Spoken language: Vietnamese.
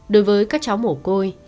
đối với các cháu mổ côi